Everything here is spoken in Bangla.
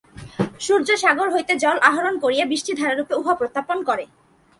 সূর্য সাগর হইতে জল আহরণ করিয়া বৃষ্টিধারারূপে উহা প্রত্যর্পণ করে।